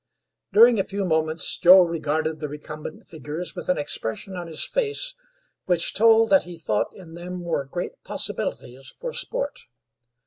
During a few moments Joe regarded the recumbent figures with an expression on his face which told that he thought in them were great possibilities for sport.